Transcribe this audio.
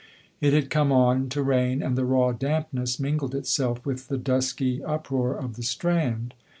It had come on to rain, and the raw dampness mingled itself with the dusky uproar of the Strand.